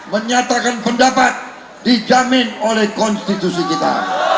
menyatakan pendapat dijamin oleh konstitusi kita